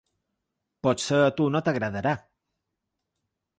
Potser a tu no t’agradarà.